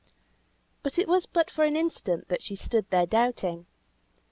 But it was but for an instant that she stood there doubting.